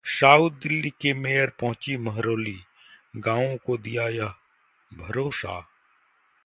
south Delhi की mayor पहुंची महरौली, गांवों को दिया ये भरोसा